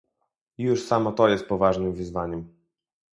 Już samo to jest poważnym wyzwaniem